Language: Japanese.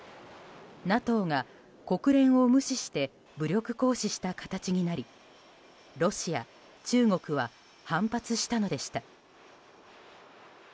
ＮＡＴＯが国連を無視して武力行使した形になりロシア、中国は反発したのでした。